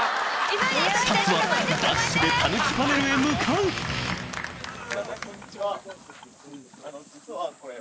スタッフはダッシュでタヌキパネルへ向かうハハハ！